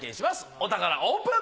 お宝オープン！